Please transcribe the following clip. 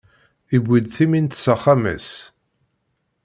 Iwwi-d timint s axxam-is.